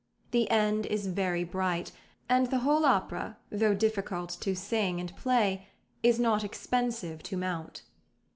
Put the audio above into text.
The end is very bright, and the whole opera though difficult to sing and play, is not expensive to mount.